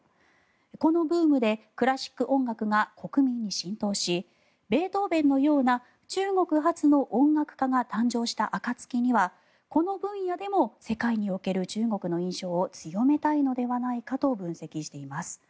このブームでクラシック音楽が国民に浸透しベートーベンのような中国発の音楽家が誕生した暁にはこの分野でも世界における中国の印象を強めたいのではないかと分析しています。